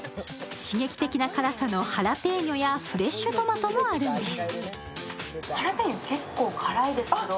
刺激的な辛さのハラペーニョやフレッシュトマトもあるんです。